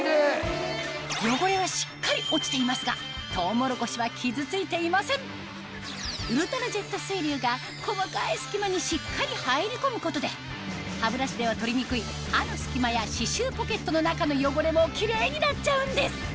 汚れはしっかり落ちていますがウルトラジェット水流が細かい隙間にしっかり入り込むことで歯ブラシでは取りにくい歯の隙間や歯周ポケットの中の汚れもキレイになっちゃうんです